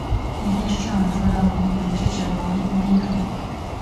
并非是上文说的王桓之子王尹和。